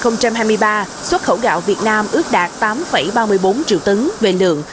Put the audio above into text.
năm hai nghìn hai mươi ba xuất khẩu gạo việt nam ước đạt tám ba mươi bốn triệu tấn về lượng